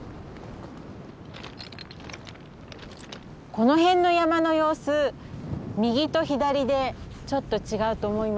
この辺の山の様子右と左でちょっと違うと思いませんか？